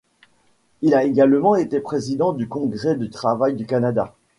Il a également été président du Congrès du travail du Canada.